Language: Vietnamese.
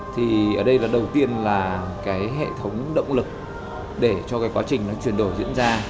thì ở đây là đầu tiên là cái hệ thống động lực để cho cái quá trình nó chuyển đổi diễn ra